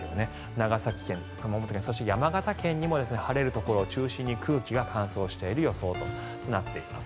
長崎県、熊本県そして、山形県にも晴れるところを中心に空気が乾燥する予想となっています。